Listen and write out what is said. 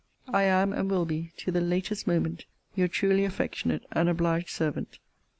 I am, and will be, to the latest moment, Your truly affectionate and obliged servant, CL.